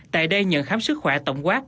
tại đây nhận khám sức khỏe tổng quát